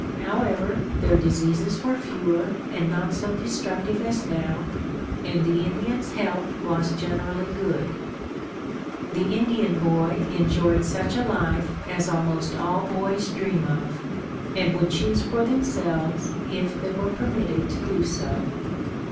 However, their diseases were fewer and not so destructive as now, and the Indian's health was generally good. The Indian boy enjoyed such a life as almost all boys dream of and would choose for themselves if they were permitted to do so.